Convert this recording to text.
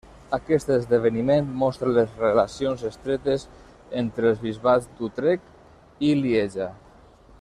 Aquest esdeveniment mostra les relacions estretes entre els bisbats d'Utrecht i de Lieja.